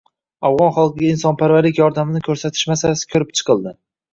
Afg‘on xalqiga insonparvarlik yordamini ko‘rsatish masalasi ko‘rib chiqildi